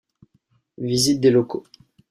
Visite des locaux.